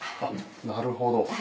なるほど。